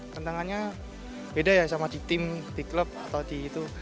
tantangannya beda ya sama di tim di klub atau di itu